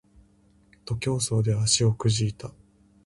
徒競走で足をくじいた